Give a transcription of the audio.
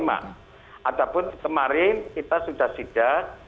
mungkin kita sudah sudah